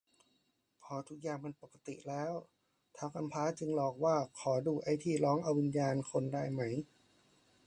พอทุกอย่างปกติแล้ว ท้าวกำพร้าจึงหลอกว่าขอดูไอ้ที่ร้องเอาวิญญาณคนได้ไหม